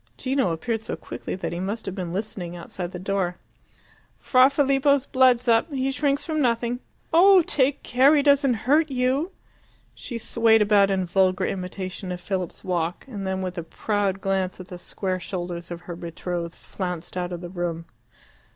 Gino appeared so quickly that he must have been listening outside the door. "Fra Filippo's blood's up. He shrinks from nothing. Oh, take care he doesn't hurt you!" She swayed about in vulgar imitation of Philip's walk, and then, with a proud glance at the square shoulders of her betrothed, flounced out of the room.